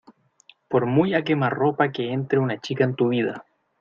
por muy a_quemarropa que entre una chica en tu vida